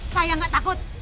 saya gak takut